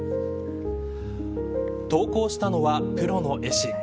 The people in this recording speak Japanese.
投稿したのはプロの絵師。